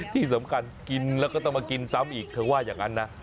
ที่สำคัญกินแล้วก็ต้องมากินซ้ำอีกเธอว่าอย่างนั้นนะ